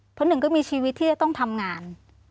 เพราะหนึ่งก็มีชีวิตที่จะต้องทำงาน